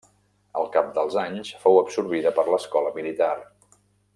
Al cap dels anys, fou absorbida per l'Escola Militar.